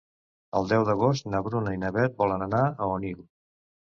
El deu d'agost na Bruna i na Beth volen anar a Onil.